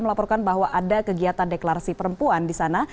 melaporkan bahwa ada kegiatan deklarasi perempuan di sana